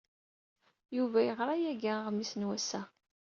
Yuba yeɣra yagi aɣmis n wass-a.